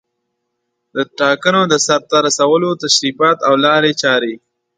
د ټاکنو د سرته رسولو تشریفات او لارې چارې